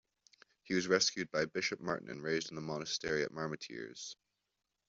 He was rescued by Bishop Martin and raised in the monastery at Marmoutiers.